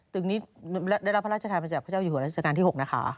ตึกนี้ได้รับพระราชทานมาจากพระเจ้าอยู่หัวราชการที่๖นะคะ